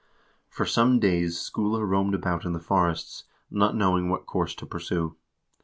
For some days Skule roamed about in the forests, not knowing what course to pursue.